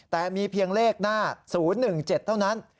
แต่มีเพียงเลขหน้า๐๑๗เท่านั้น